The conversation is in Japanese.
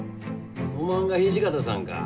おまんが土方さんか。